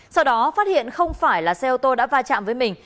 sau đó phát hiện không phải là xe ô tô đã va chạm với mình